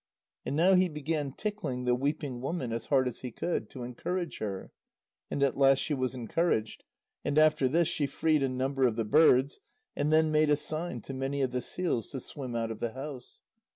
And now he began tickling the weeping woman as hard as he could, to encourage her; and at last she was encouraged, and after this, she freed a number of the birds, and then made a sign to many of the seals to swim out of the house.